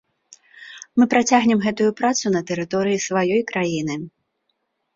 Мы працягнем гэтую працу на тэрыторыі сваёй краіны.